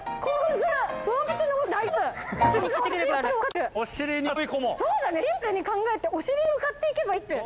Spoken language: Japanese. シンプルに考えてお尻に向かっていけばいいっていう。